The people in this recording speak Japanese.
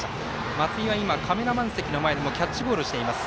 松井は今、カメラマン席の前でキャッチボールをしています。